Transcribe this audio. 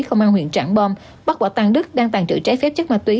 công an huyện tráng bom bắt bỏ tăng đức đang tàn trự trái phép chất ma túy